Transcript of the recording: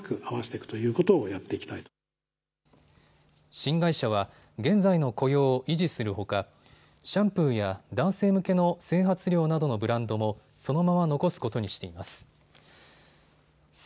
新会社は現在の雇用を維持するほか、シャンプーや男性向けの整髪料などのブランドもそのまま残すことにしています。